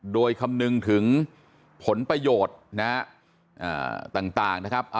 โดยคำนึงถึงผลประโยชน์นะฮะต่างนะครับ